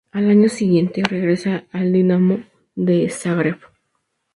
Al año siguiente regresa al Dinamo de Zagreb.